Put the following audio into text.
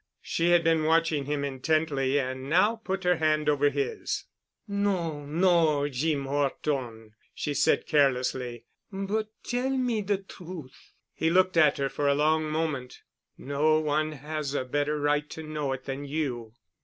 She had been watching him intently and now put her hand over his. "No—no, Jeem 'Orton," she said carelessly. "But tell me de truth——" He looked at her for a long moment. "No one has a better right to know it than you."